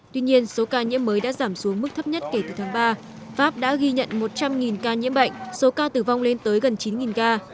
tuy nhiên số ca nhiễm mới đã giảm xuống mức thấp nhất kể từ tháng ba pháp đã ghi nhận một trăm linh ca nhiễm bệnh số ca tử vong lên tới gần chín ca